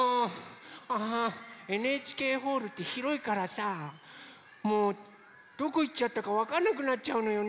ああＮＨＫホールってひろいからさもうどこいっちゃったかわかんなくなっちゃうのよね。